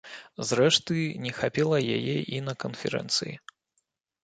Зрэшты, не хапіла яе і на канферэнцыі.